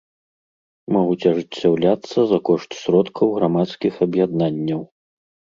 Могуць ажыццяўляцца за кошт сродкаў грамадскіх аб’яднанняў.